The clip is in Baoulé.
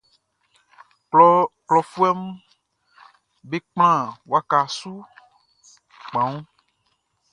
Klɔfuɛʼm be kplan waka su kpanwun.